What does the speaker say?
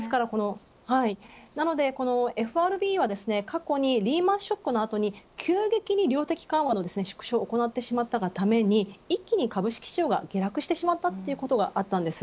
なのでＦＲＢは過去にリーマン・ショックの後に急激に量的緩和の縮小を行ってしまったがために一気に株式市場が下落してしまったということがありました。